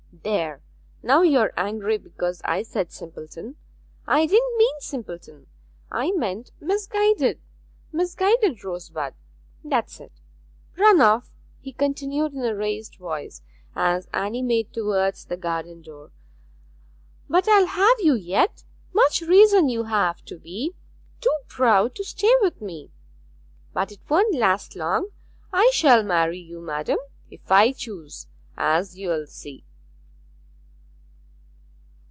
There, now you are angry because I said simpleton! I didn't mean simpleton, I meant misguided misguided rosebud! That's it run off,' he continued in a raised voice, as Anne made towards the garden door. 'But I'll have you yet. Much reason you have to be too proud to stay with me. But it won't last long; I shall marry you, madam, if I choose, as you'll see.'